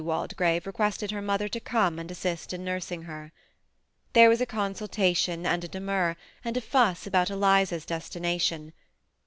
Walde grave requested her mother to come and assist in nurs ing her. There was a consultation and a demur, and a fuss about Eliza's destination.